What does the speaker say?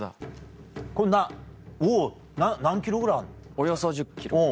およそ１０ｋｇ。